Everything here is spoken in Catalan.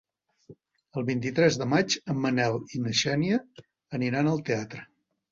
El vint-i-tres de maig en Manel i na Xènia aniran al teatre.